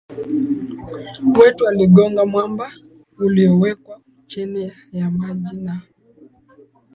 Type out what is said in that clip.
wetu aligonga mwamba uliowekwa chini ya maji na